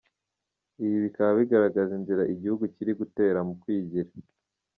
Ibi bikaba bigaragaza inzira igihugu kiri gutera mu kwigira.